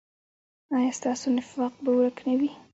ایا ستاسو نفاق به ورک نه وي؟